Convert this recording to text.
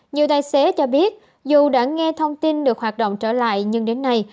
nhiều tài xế cho biết dù đã nghe thông tin được hoạt động trở lại nhưng đến nay